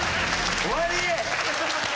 終わり？